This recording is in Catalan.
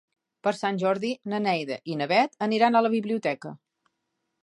Per Sant Jordi na Neida i na Bet aniran a la biblioteca.